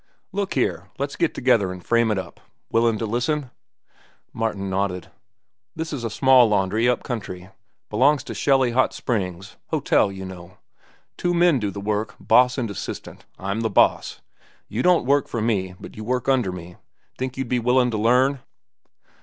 "Look here, let's get together an' frame it up. Willin' to listen?" Martin nodded. "This is a small laundry, up country, belongs to Shelly Hot Springs,—hotel, you know. Two men do the work, boss and assistant. I'm the boss. You don't work for me, but you work under me. Think you'd be willin' to learn?"